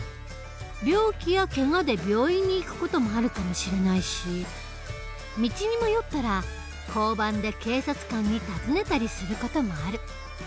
病気やけがで病院に行く事もあるかもしれないし道に迷ったら交番で警察官に尋ねたりする事もある。